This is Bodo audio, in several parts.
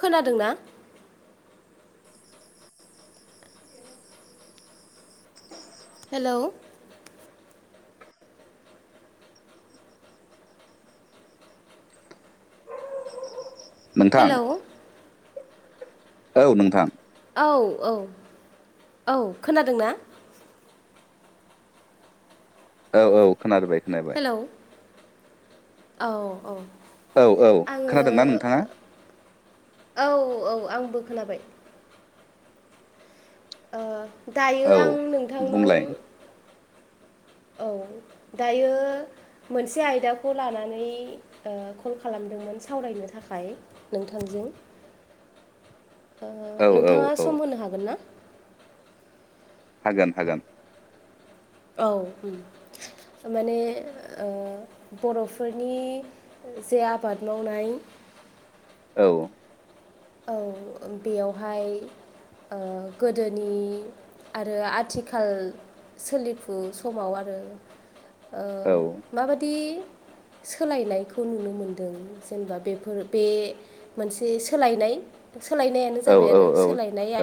खोनादोंना [inaudible] हेल' नोंथां हेल' औ नोंथां औ औ औ खोनादों ना। औ औ खोनाबाय। खोनाबाय हेलौ औ औ। औ औ आङो खोनादोंना नोंथाङा औ औ आंबो खोनाबाय। ओ दायो औ आं नोंथांनाव। बुंलाय औ दायो। मोनसे आयदाखौ लानानै ओ कल खालामदोंमोन सावरायनो थाखाय नोंथांजों। औ औ नोंथाङा औ सम होनो हागोन ना? हागोन हागोन। औ माने ओ बर'फोरनि जे आबाद मावनाय औ औ बेयावहाय ओ गोदोनि आरो आथिखाल सोलिफु समाव आरो ओ औ माबादि सोलायनायखौ नुनो मोनदों जेनेबा बेफोर बे मोनसे सोलायनाय। सोलायनायानो औ जाबाय आरो औ सोलायनाया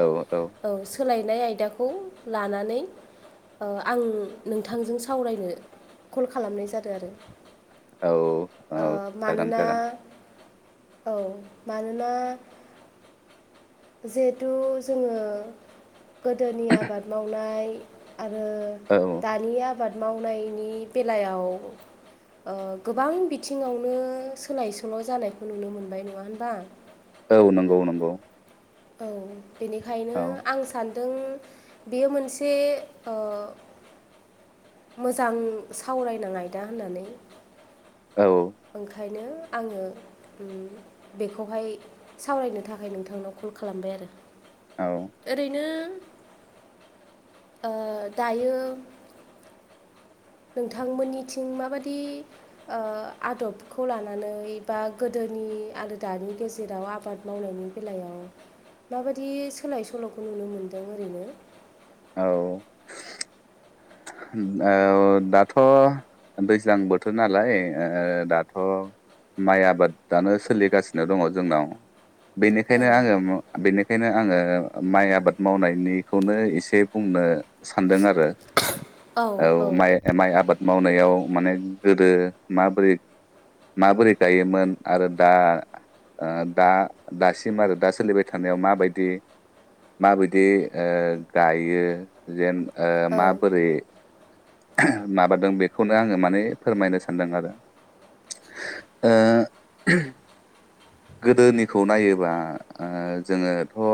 औ सोलाय नाय आयदाखौ लानानै। आं नोंथांजों सावरायनो कल खालामनाय जादों आरोह औ औ ओ जागोन मानोना जागोन औ मानोना जिहेथु जोङो गोदोनि आबाद मावनाय। आरो औ दानि आबाद मावनायनि बेलायाव ओ गोबां बिथिङावनो सोलाय सोल' जानायखौ नुनो मोनबाय नङा होनबा औ नंगौ नंगौ औ बेनिखायनो औ आं सान दों बेयो मोनसे। मोजां सावरायनां आयदा होननानै। औ नो आङो उम बेखौहाय सावरायनो थाखाय नोंथांनाव कल खालामबाय आरो औ ओरैनो ओ दायो नोंथांमोननिथिं माबादि ओ आदबखौ लानानै बा गोदोनि नि आरो दानि गेजेराव आबाद मावनायनि बेलायाव माबादि सोलाय सोल'खौ नुनो मोनदों ओरैनो औ ओ दाथ' दैज्लां बोथोर नालाय ओ दाथ' माइ आबादानो सोलिगासिनो दङ जोंनाव औ बेनिखायनो आङो बेनिखायनो आङो माइ आबाद मावनायनिखौनो एसे बुंनो सानदों आरो औ माइ माइ आबाद मावनायाव माने गोदो माबोरै माबोरै गायोमोन आरो दा ओ दा दासिम आरो दा सोलिबाय थानायाव माबायदि माबायदि ओ गायो जेन ओ औ मा [unintelligible] माबादों बेखौनो आङो माने फोरमायनो सानदों आरो ओ [unintelligible] गोदोनिखौ नायोबा ओ जोङोथ' ओ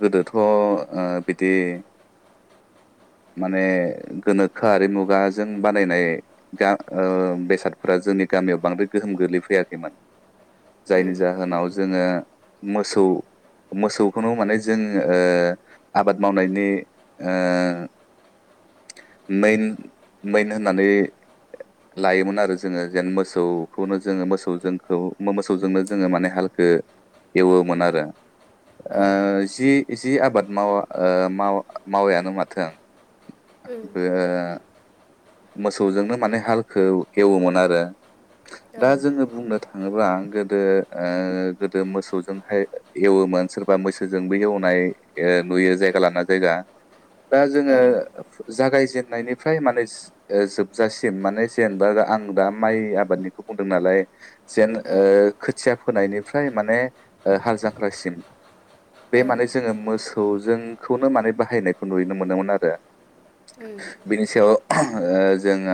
गोदोथ'ओ बिदि [inaudible] माने गोनोखोआरि मुगाजों बानायनाय गा ओ बेसादफोरा जोंनि गामियाव बांद्राय गोहोम गोग्लै फैयाखैमोन जायनि उम जाहोनाव जोङो मोसौ मोसौखौनो माने जों आबाद मावनायनि ओ मेइन-मेइन होननानै लायोमोन आरो जोङो जेन मोसौखौनो जोङो मोसौ जों खौ मोसौजोंनो जोङो माने हालखौ एवोमोन आरो औ ओ जि जि आबाद मावा ओ मावा मावायानो माथों उम बे मोसौजोंनो माने हालखौ एवोमोन आरो औ दा जोङो बुंनो थाङोब्ला गोदो ओ गोदो मोसौजोंहाय एवोमोन सोरबा मैसोजोंबो एवोमोन फ्राय ओ नुयो जायगा लाना जायगा दा औ जोङो जागायजेननायनिफ्राय माने ओ जोबजासिम माने जेनेबा आं दा माइ आबादनिखौ बुंदों नालाय जेन ओ खोथिया फोनायनिफ्राय माने ओ हाल जांख्रासिम बे उम औ उम माने जोङो मोसौजोंखौनो माने बाहायनायखौ नुनो मोनदोमोन आरो उम बिनिसायाव ओह्रोम ओ जे'न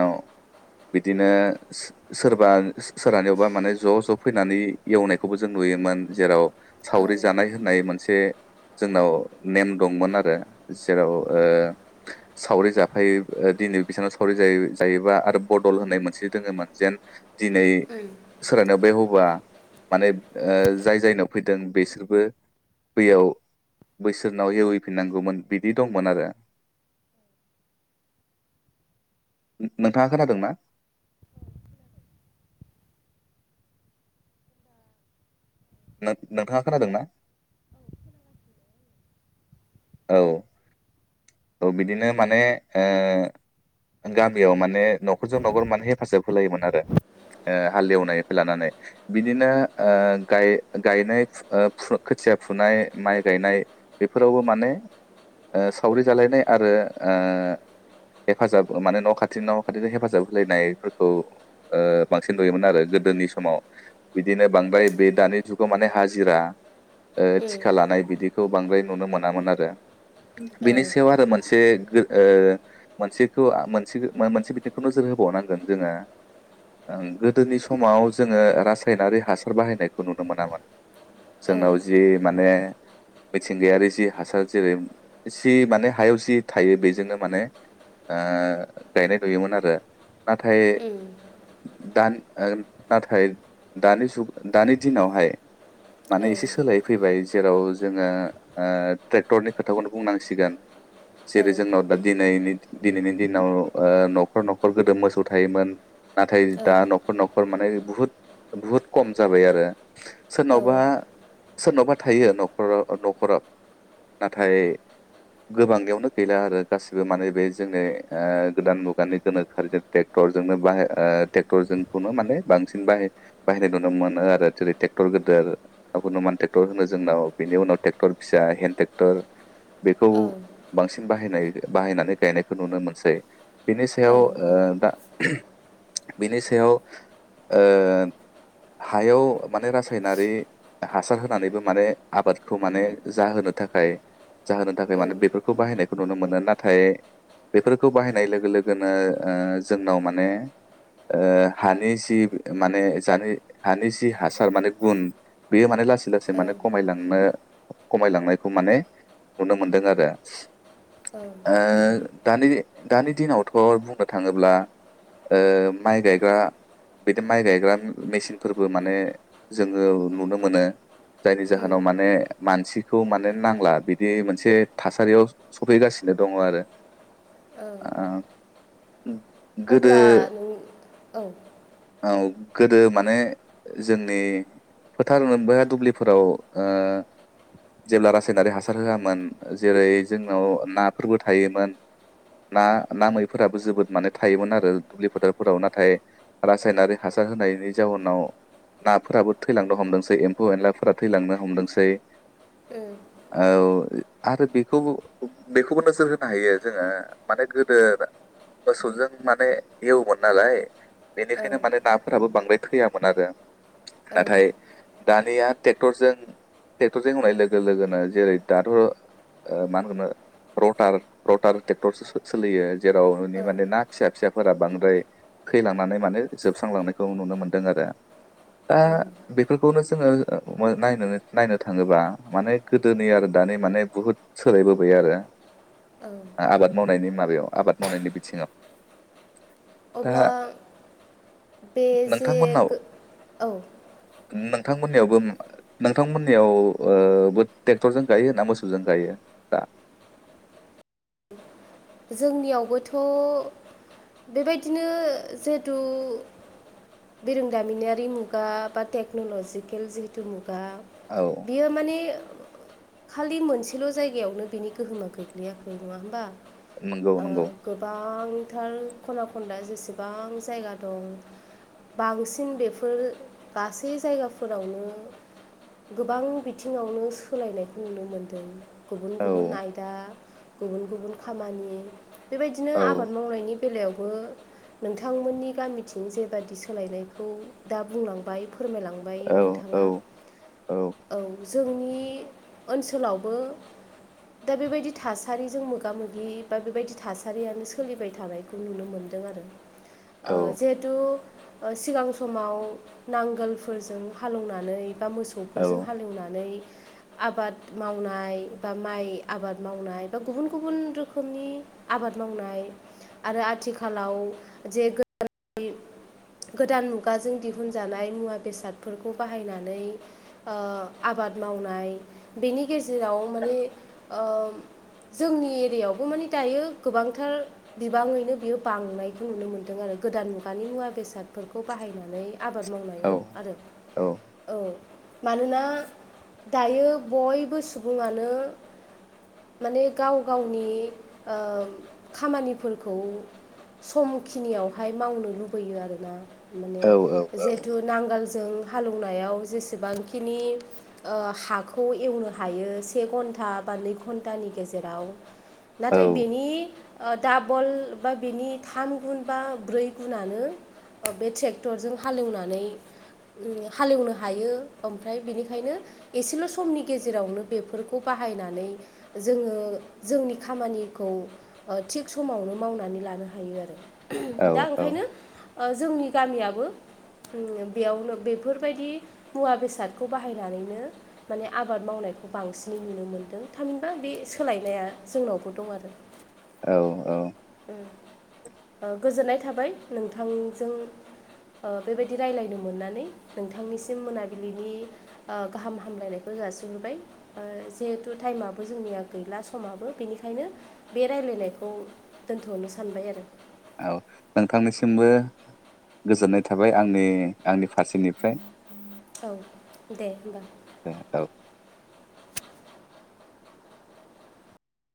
बिदिनो सो सोरबा सोरहानियाव बा माने ज' ज' फैनानै एवनायखौबो जों नुयोमोन जेराव औ उम औ सावरि जानाय होननाय मोनसे जोंनाव नेम दंमोन आरो जेराव ओ सावरि जाफायो ओ दिनै बिसनाव सावरि जायोबा आरो बदल होननाय मोनसे दोङोमोन जेन दिनै सोरहानियावबा एवबा माने जाय जायनियाव फैदों बेसोरबो दैयाव बैसोरनाव एवहैफिननांगौमोन बिदि दंमोन आरो औ [inaudible] नोंथाङा खोनादों ना? [inaudible] नों नोंथाङा खोनादोंना? औ औ बिदिनो माने ओ गामियाव माने न'खरजों न'खर माने हेफाजाब होलायोमोन आरो ओ हालेवनायखौ लानानै बिदिनो ओ गाय गायनाय फु खुथिया फुनाय माइ गायनाय बेफोरावबो माने सावरि जालायनाय आरो। हेफाजाब माने न खाथिजों न खाथिजों हेफाजाब होलायनायफोरखौ बांसिन नुयोमोन आरो। गोदोनि समाव बिदिनो बांद्राय बे दानि जुगाव माने हाजिरा। थिखा लानाय बिदिखौ बांद्राय नुनो मोनामोन आरो। बेनि सायाव आरो मोनसे। मोनसेखौ मोनसे मोनसे बिथिंखौ नोजोर होबावनांगोन जोंङो। गोदोनि समाव जोंङो रासायनारि हासार बाहायनायखौ नुनो मोनामोन। जोंनाव जि माने मिथिंगायारि जि हासार। जेरै जि माने हायाव जि थायो बेजोंनो माने। गायनाय नुयोमोन आरो नाथाय दानि। नाथाय दानि जुग दानि दिनावहाय। माने एसे सोलाय फैबाय जेराव जोंङो। ट्रेक्टरनि खोथाखौनो बुंनांसिगोन जेरै जोंनाव दा दिनैनि। दिनैनि दिनाव नखर नखर गोदो मोसौ थायोमोन। नाथाय दा नखर नखर माने बुहुद बुहुद खम जाबाय आरो। सोरनावबा सोरनावबा थायो नखराव नखराव। नाथाय। गोबांनियावनो गैला आरो गासिबो माने बे जोंनि गोदान मुगानि गोनोखोआरिजों ट्रेक्टर। जोंनो बांसिन बाहायनाय नुनो मोनो आरो। गिदिर ट्रेक्टर होनो जोंनाव बेनि उनाव ट्रेक्टर फिसा हेन्द ट्रेक्टर। बेखौ बांसिन बाहायनाय बाहायनानै गायनायखौ नुनो मोनसै। बेनि सायाव दा। बिनि सायाव। हायाव माने रासायनारि हासार होनानैबो माने आबादखौ माने जाहोनो। थाखाय जाहोनो थाखाय माने बेफोरखौ बाहायनाय। नुनो मोनो नाथाय बेफोरखौ बाहायनाय लोगो लोगोनो ओ जोंनाव माने। ओ हानि जि माने हानि जि हासार माने गुन। बेयो माने। लासै लासै माने उम खमायलांनो खमायलांनायखौ माने नुनो मोनदों आरो। औ ओ दानि दानि दिनावथ बुंनो थांङोब्ला। ओ माइ गायग्रा। बिदि माइ गायग्रा मेसिनफोरबो माने जोंङो नुनो मोनो। जायनि ओं जाहोनाव माने मानसिखौ माने। नांला बिदि मोनसे थासारियाव सफैगासिनो दङ आरो। औ। ओ गोदो। अब्ला नों औ औ गोदो माने जोंनि। फोथार एबा दुब्लिफोराव ओ जेब्ला। रासायनारि हासार होआमोन जेरै जोंनाव नाफोरबो थायोमोन। ना ना मैफोराबो जोबोद माने थायोमोन आरो दुब्लि फोथारफोराव नाथाय रासायनारि हासार। होनायनि जाउनाव। नाफोराबो थैलांनो हमदोंसै एम्फौ एनलाफोरा थैलांनो हमदोंसै। औ। औ आरो बेखौबो। बेखौबो नोजोर होनो हायो जोंङो माने गोदो। मोसौजों माने एवोमोन नालाय। औ बेनिखायनो माने नाफोराबो बांद्राय थैयामोन आरो औ नाथाय। दानिया ट्रेक्टरजों ट्रेक्टरजों एवनाय लोगो लोगोनो। जेरै दाथ ओ मा होनो लटार लटार ट्रेक्टरसो सोलियो। जेराव ना औ माने ना फिसा फिसाफोरा बां द्राय थैलांनानै माने जोबस्रांलांनायखौ नुनो मोनदों आरो दा औ बेफोरखौनो जोङो नायनो नायनो थाङोब्ला माने गोदोनि आरो दानि माने बुहुद सोलायबोबाय आरो औ आ आबाद मावनायनि माबायाव आबाद मावनायनि बिथिङाव दा अब्ला बे जे नोंथांमोननाव गो औ नोंथांमोननियावबो नोंथांमोननियाव ओ बो टेक्टरजों गायो ना मोसौजों गायो दा जोंनियावथ बेबायदिनो जिहेथु बिरोंदामिनयारि मुगा बा टेक्नलजिकेल जिहेतु मु गा औ बियो माने खालि मोनसेल जायगायावनो बिनि गोहोमा गोग्लैयाखै नङा होमबा नंगौ ओ नंगौ गोबांथार खना खनला जेसेबां जायगा दं बांसिन बेफोर गासै जायगाफोरावनो गोबां बिथिङावनो सोलायनायखौ नुनो मोनदों गुबुन औ गुबुन आयदा गुबुन गुबुन खामानि बेबायदिनो औ आबाद मावनायनि बेलायावबो नोंथांमोननि गामिथिं जेबादि सोलायनायखौ दा बुंलांबाय फोरमायलांबाय औ औ नोंथाङा औ जोंनि ओनसोलावबो दा बेबायदि थासारिजों मोगा मोगि बा बेबायदि थासारियानो सोलिबाय थानायखौ नुनो मोनदों आरो ओ औ जिहेथु ओ सिगां समाव नांगोलफोरजों हालौवनानै बा औ मोसौफोरजों हालेवनानै आबाद मावनाय बा माइ आबाद मावनाय बा गुबुन गुबुन रोखोम रोखोमनि आबाद मावनाय आरो आथिखालाव जे गोदान गोदान मुगाजों दिहुनजानाय मुवा बेसादफोरखौ बाहायनानै ओ आबाद आबाद मावनाय बेनि गेजेराव माने ओम जोंनि एरियावबो माने दायो गोबांथार बिबाङैनो बियो बांनायखौ नुनो मोनदों आरो गोदान मुगानि मुवा बेसाद बेसादफोरखौ बाहायनानै आबाद औ मावनायाव आरो औ औ मानोना दायो बयबो सुबुङानो माने गाव गावनि ओ खामानिफोरखौ समखिनियावहाय मावनो लुबैयो आरो ना औ माने औ जिहेथु नांगालजों हालेवनायाव जेसेबांखिनि ओ हाखौ एवनो हायो से घन्टा बा नै घन्टानि गेजेराव औ नाथाय बेनि ओ डाबल बा बेनि थाम गुन बा ब्रै गुनानो ओ बे ट्रेक्टरजों हालौवनानै ओ हालौवनो हायो ओमफ्राय बेनिखायनो एसेल समनि गेजेरावनो बेफोरखौ बा हायनानै जोङो जोंनि खामानिखौ ओ थिग समावनो मावनानै लान नो हायो आरो दा औ ओंखायनो ओ जोंनि गामियाबो बेयावनो बेफोरबायदि मुवा बेसादखौ बाहायनानैनो माने आबाद मावनाय बेखौ बांसिनै नुनो मोनदों थामहिनबा बे सोलायनाया जोंनावबो दं आरो औ औ ओ गोजोननाय थाबाय नोंथांजों ओ बेबायदि रायलायनो मोननानै नोंथांनिसिम मोनाबिलिनि ओ गाहाम हामलायनायखौ जासिहरबाय ओ जिहेथु थायेमाबो जोंनिया गैला समाबो बेनिखायनो बे रायलाय नायखौ दोनथनो सानबाय आरो औ नोंथांनिसिमबो गोजोननाय थाबाय आंनि आंनि फारसेनिफ्राय औ दे होमबा दे औ